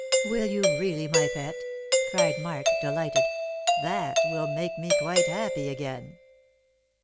"Will you really, my pet?" cried Mark, delighted; "that will make me quite happy again."